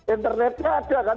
internetnya ada kan